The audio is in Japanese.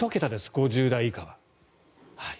５０代以下が。